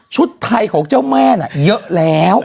ชุดไทยของเจ้าแม่ในเยอะแล้ว